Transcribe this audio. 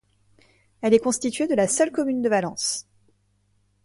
Elle est constituée de la seule commune de Valence.